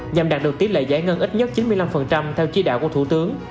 nhằm đạt được tiết lệ giải ngân ít nhất chín mươi năm theo chi đạo của thủ tướng